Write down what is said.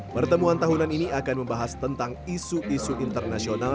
pertemuan tahunan ini akan membahas tentang isu isu internasional